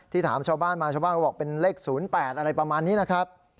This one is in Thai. ถามชาวบ้านมาชาวบ้านก็บอกเป็นเลข๐๘อะไรประมาณนี้นะครับ